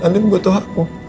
andin butuh aku